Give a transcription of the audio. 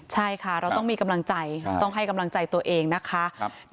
ใช่ค่ะเราต้องมีกำลังใจต้องให้กำลังใจตัวเองนะคะ